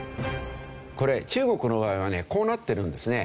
これ中国の場合はねこうなってるんですね。